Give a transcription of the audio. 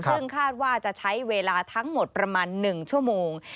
ซึ่งคาดว่าจะใช้เวลาทั้งหมดประมาณ๑ชั่วโมง